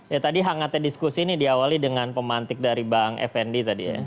ya tadi hangatnya diskusi ini diawali dengan pemantik dari bang effendi tadi ya